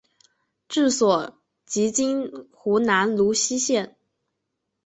治所即今湖南泸溪县。